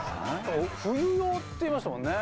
冬用って言いましたもんね。